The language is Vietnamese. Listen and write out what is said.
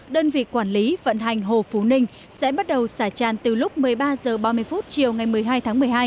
đơn vị quản lý vận hành hồ phú ninh sẽ bắt đầu xả tràn từ lúc một mươi ba h ba mươi chiều ngày một mươi hai tháng một mươi hai